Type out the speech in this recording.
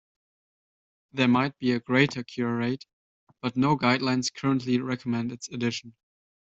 There might be a greater cure rate but no guidelines currently recommend its addition.